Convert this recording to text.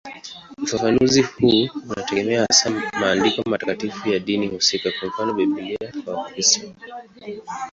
Ufafanuzi huo unategemea hasa maandiko matakatifu ya dini husika, kwa mfano Biblia kwa Wakristo.